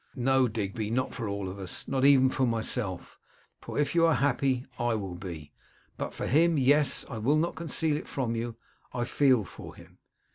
'No, Digby; not for all of us; not even for myself; for if you are happy I will be. But for him, yes! I will not conceal it from you, I feel for him.